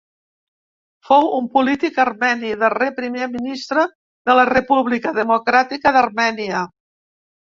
Fou un polític armeni, darrer primer ministre de la República Democràtica d'Armènia.